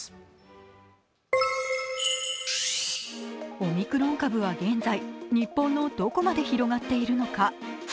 オミクロン株は現在、日本のどこまで広がっているのか。